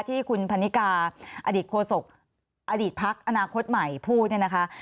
ที่คุณพันนิกาอดีตโฆษกอดีตพักอนาคตใหม่พูดเนี่ยนะคะ